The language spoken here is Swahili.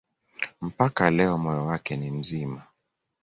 Mpaka leo moyo wake ni mzima.